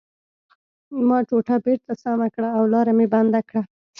ما ټوټه بېرته سمه کړه او لاره مې بنده کړه